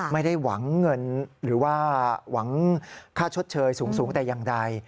ไม่ได้หวังเงินหรือว่าหวังค่าชดเชยสูงแต่อย่างใด